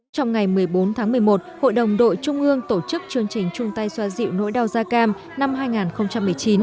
trong ngày một mươi bốn tháng một mươi một hội đồng đội trung ương tổ chức chương trình trung tay xoa dịu nỗi đau da cam năm hai nghìn một mươi chín